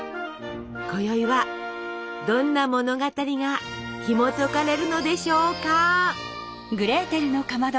こよいはどんな物語がひもとかれるのでしょうか？